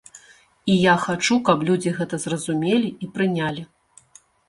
І я хачу, каб людзі гэта зразумелі і прынялі.